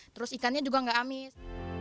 terus ikannya juga nggak amis